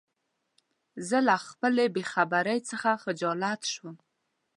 زه له خپله بېخبری څخه خجالت شوم.